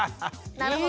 なるほど。